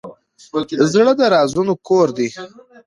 زړه د رازونو کور دی.